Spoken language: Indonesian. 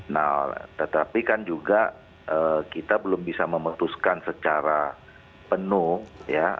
nah tetapi kan juga kita belum bisa memutuskan secara penuh ya